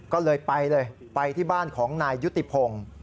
ก็เลยไปเลยไปที่บ้านของนายยุติพงศ์